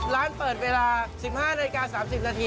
ร้านเปิดเวลา๑๕นาฬิกา๓๐นาที